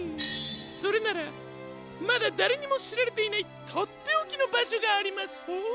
それならまだだれにもしられていないとっておきのばしょがありますホォー。